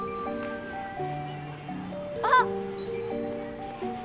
あっ！